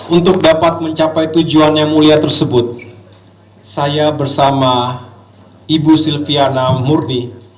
untuk dapat mencapai tujuan yang mulia tersebut saya bersama ibu silviana murni